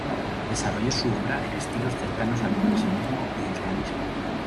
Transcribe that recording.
Desarrolló su obra en estilos cercanos al impresionismo y el realismo.